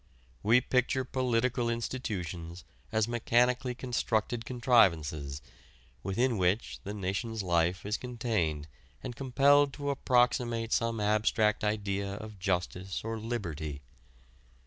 We picture political institutions as mechanically constructed contrivances within which the nation's life is contained and compelled to approximate some abstract idea of justice or liberty.